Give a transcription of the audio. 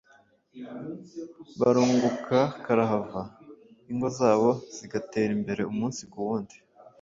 barunguka karahava, ingo zabo zigatera imbere umunsi ku wundi.